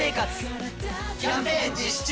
キャンペーン実施中！